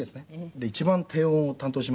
で一番低音を担当しまして。